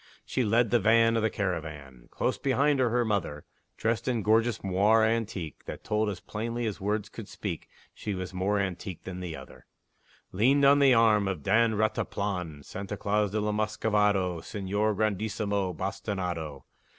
She led the van of the caravan; Close behind her, her mother (Dressed in gorgeous moire antique, That told as plainly as words could speak, She was more antique than the other) Leaned on the arm of Don Rataplan Santa Claus de la Muscovado Señor Grandissimo Bastinado.